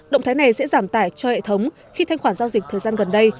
động thái này sẽ giảm tải cho hệ thống khi thanh khoản giao dịch thời gian gần đây